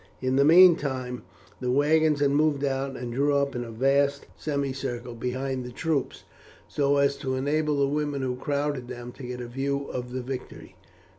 In the meantime the wagons had moved out and drew up in a vast semicircle behind the troops, so as to enable the women who crowded them to get a view of the victory.